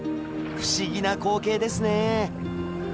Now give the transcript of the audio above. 不思議な光景ですね！